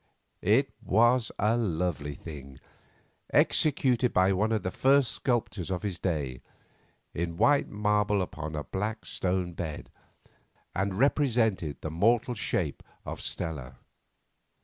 It was a lovely thing, executed by one of the first sculptors of the day, in white marble upon a black stone bed, and represented the mortal shape of Stella.